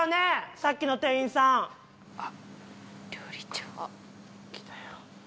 さっきの店員さん料理長来たよ